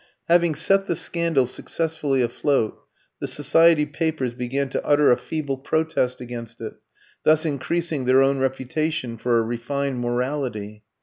Having set the scandal successfully afloat, the society papers began to utter a feeble protest against it thus increasing their own reputation for a refined morality.